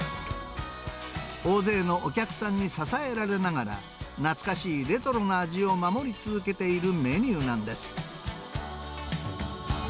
大勢のお客さんに支えられながら、懐かしいレトロな味を守り続けているメニューなんです。